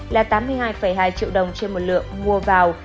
là tám mươi hai hai triệu đồng trên một lượng mua vào